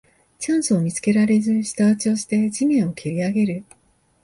チャンスを見つけられず舌打ちをして地面をけりあげる